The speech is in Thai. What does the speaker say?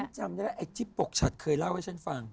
ฉันจำอยู่แล้วไอที่ปกชัดเคยเล่าให้ฉันฟัง